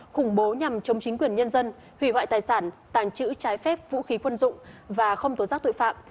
khủng bố nhằm chống chính quyền nhân dân hủy hoại tài sản tàng trữ trái phép vũ khí quân dụng và không tố giác tội phạm